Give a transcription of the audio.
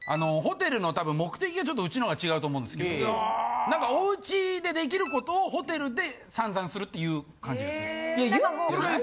ホテルのたぶん目的がうちのが違うと思うんですけどなんかおうちで出来ることをホテルでさんざんするっていう感じです。